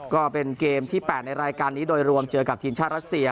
ก็เป็นเกมที่๘ในรายการนี้โดยรวมเจอกับทีมชาติรัสเซีย